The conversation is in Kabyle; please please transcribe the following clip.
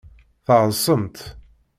Tɛeḍsemt.